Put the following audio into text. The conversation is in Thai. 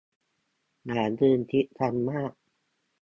อย่ายืนชิดกันมาก